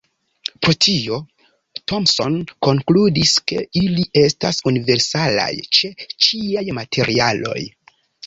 Pro tio, Thomson konkludis, ke ili estas universalaj ĉe ĉiaj materialoj.